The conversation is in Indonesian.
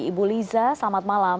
ibu liza selamat malam